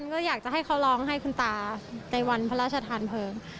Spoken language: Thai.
ก็อยากจะให้เขาร้องให้คุณตาในวันพระราชทานเพลิง